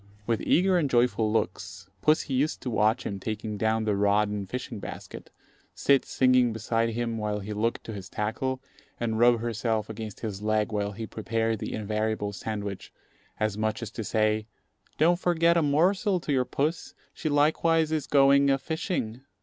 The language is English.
With eager and joyful looks, pussy used to watch him taking down the rod and fishing basket, sit singing beside him while he looked to his tackle, and rub herself against his leg while he prepared the invariable sandwich, as much as to say, "Don't forget a morsel to your puss; she likewise is going a fishing."